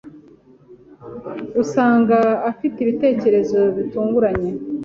usanga afite ibitekerezo bitunganye.